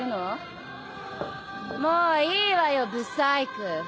もういいわよ不細工。